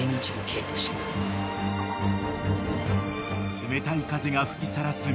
［冷たい風が吹きさらす港］